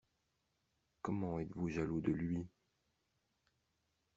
Comment êtes-vous jaloux de Lui?